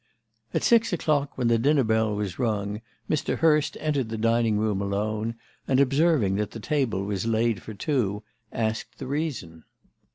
"At six o'clock, when the dinner bell was rung, Mr. Hurst entered the dining room alone, and, observing that the table was laid for two, asked the reason.